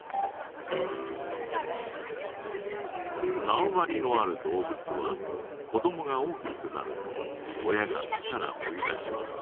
なわ張りのある動物は子どもが大きくなると親が巣から追い出します。